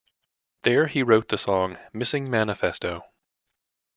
There he wrote the song "Missing Manifesto".